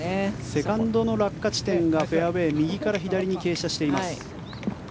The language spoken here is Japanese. セカンドの落下地点がフェアウェー右から左に傾斜しています。